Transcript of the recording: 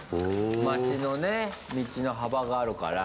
町のね、道の幅があるから。